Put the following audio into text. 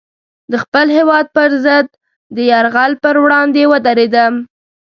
د خپل هېواد پر ضد د یرغل پر وړاندې ودرېدم.